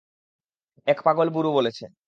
এক পাগলা বুড়ো বলেছে।